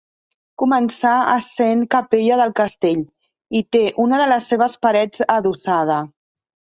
Començà essent capella del castell; hi té una de les seves parets adossada.